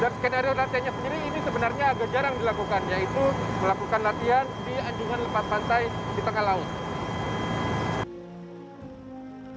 dan skenario latihannya sendiri ini sebenarnya agak jarang dilakukan yaitu melakukan latihan di anjungan minyak lepas pantai di tengah laut